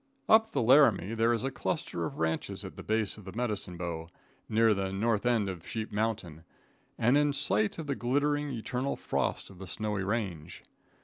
Up the Laramie there is a cluster of ranches at the base of the Medicine Bow, near the north end of Sheep Mountain, and in sight of the glittering, eternal frost of the snowy range.